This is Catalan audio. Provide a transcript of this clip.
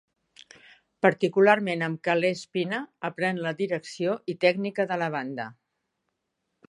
Particularment amb Calés Pina, aprèn la direcció i tècnica de la banda.